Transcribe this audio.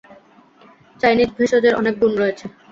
Chinese ভেষজের অনেক গুণ রয়েছে।